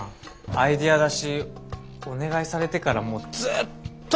アイデア出しお願いされてからもうずっと震えてましたもんね。